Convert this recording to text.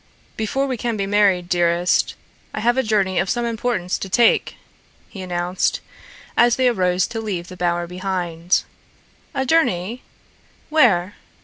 "Before we can be married, dearest, I have a journey of some importance to take," he announced, as they arose to leave the bower behind. "A journey? Where?"